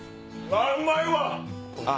あうまいわ！